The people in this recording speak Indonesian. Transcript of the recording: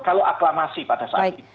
kalau aklamasi pada saat itu